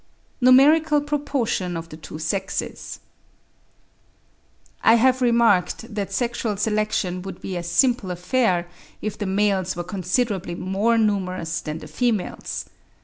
NUMERICAL PROPORTION OF THE TWO SEXES. I have remarked that sexual selection would be a simple affair if the males were considerably more numerous than the females.